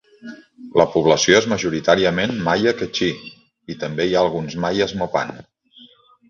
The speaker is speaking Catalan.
La població és majoritàriament maia kektxí i també hi ha alguns maies mopan.